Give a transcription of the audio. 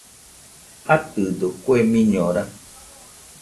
¿Atɨdo kue miñora?